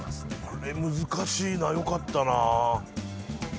これ難しいなよかったな。